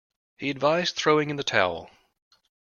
He advised throwing in the towel.